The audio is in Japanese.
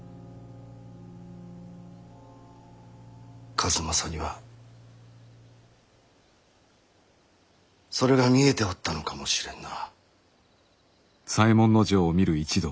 数正にはそれが見えておったのかもしれんな。